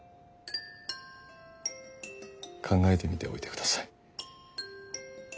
考えてみておいてください。